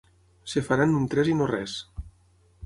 Es farà en un tres i no res.